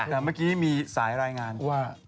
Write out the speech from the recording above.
แต่เมื่อกี้มีสายรายงานว่า